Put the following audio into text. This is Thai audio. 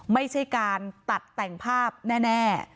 ไม่ใช่การตัดแต่งภาพแน่